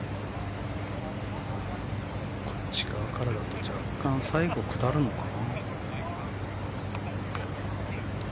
こっち側からだと若干、最後下るのかな。